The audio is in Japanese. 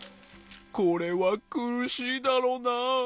これはくるしいだろうなあ。